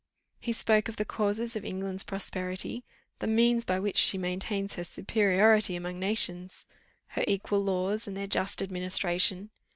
He spoke of the causes of England's prosperity, the means by which she maintains her superiority among nations her equal laws and their just administration.